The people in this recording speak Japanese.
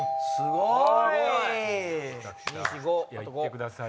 すごい！